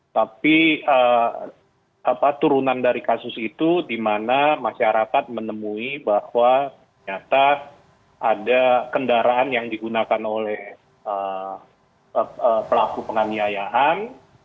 tapi turunan dari kasus itu di mana masyarakat menemui bahwa ternyata ada kendaraan yang digunakan oleh pelaku penganiayaan